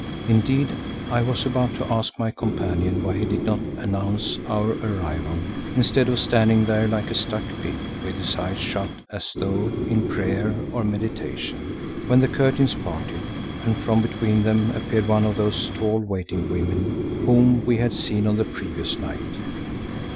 Indeed I was about to ask my companion why he did not announce our arrival instead of standing there like a stuck pig with his eyes shut as though in prayer or meditation, when the curtains parted and from between them appeared one of those tall waiting women whom we had seen on the previous night.